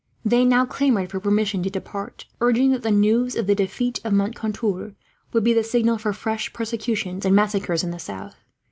They now clamoured for permission to depart, urging that the news of the defeat of Moncontour would be the signal for fresh persecutions and massacres, in the south.